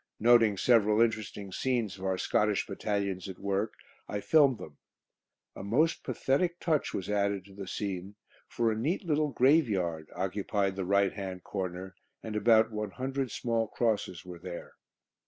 Noting several interesting scenes of our Scottish battalions at work, I filmed them. A most pathetic touch was added to the scene, for a neat little graveyard occupied the right hand corner, and about one hundred small crosses were there.